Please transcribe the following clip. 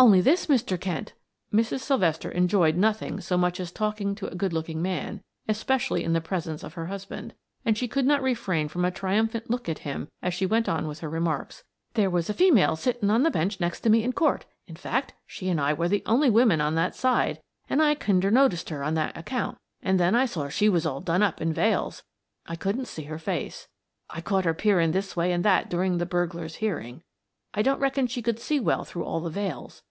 "Only this, Mr. Kent;" Mrs. Sylvester enjoyed nothing so much as talking to a good looking man, especially in the presence of her husband, and she could not refrain from a triumphant look at him as she went on with her remarks. "There was a female sitting on the bench next to me in Court; in fact, she and I were the only women on that side, and I kinder noticed her on that account, and then I saw she was all done up in veils I couldn't see her face. "I caught her peering this way and that during the burglar's hearing; I don't reckon she could see well through all the veils.